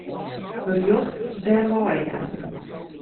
Berjocht dêrwei helje.